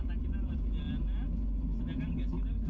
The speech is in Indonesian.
nah itu susah banget ya